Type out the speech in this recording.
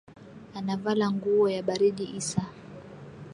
Anavala nguwo ya baridi isa